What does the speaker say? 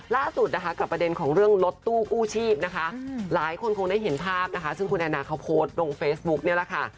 ล่าสุดนะคะกับประเด็นของเรื่องรถตู้กู้ชีพนะคะหลายคนคงได้เห็นภาพนะคะซึ่งคุณแอนนาเขาโพสต์ลงเฟซบุ๊กนี่แหละค่ะ